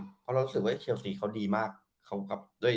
เพราะเรารู้สึกว่าเชลซีเขาดีมาก